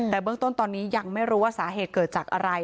แต่เบื้องต้นตอนนี้ยังไม่รู้ว่าสาเหตุเกิดจากอะไร